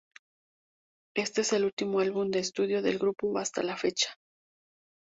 Este es el último álbum de estudio del grupo hasta la fecha.